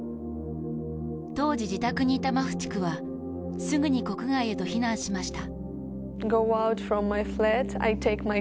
当時自宅にいたマフチクはすぐに国外へと避難しました。